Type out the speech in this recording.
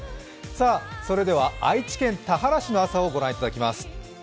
それでは愛知県田原市の朝をご覧いただきます。